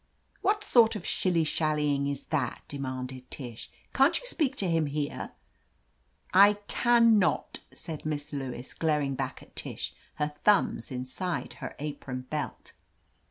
"What sort of shilly shallying is that?" de manded Tish. "Can't you speak to him here ?" '*I can not," said Miss Lewis, glaring back at Tish, her thumbs inside her apron belt.